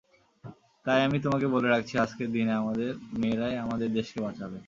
তাই আমি তোমাকে বলে রাখছি আজকের দিনে আমাদের মেয়েরাই আমাদের দেশকে বাঁচাবে।